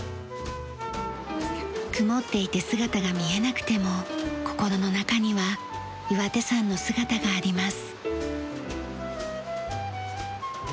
曇っていて姿が見えなくても心の中には岩手山の姿があります。